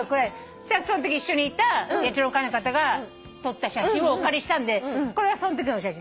そしたらそのとき一緒にいた野鳥の会の方が撮った写真をお借りしたんでこれがそのときの写真。